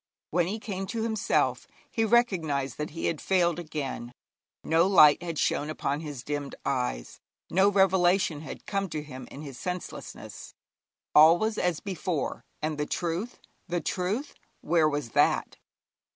When he came to himself he recognised that he had failed again. No light had shone upon his dimmed eyes, no revelation had come to him in his senselessness. All was as before, and the truth the truth, where was that?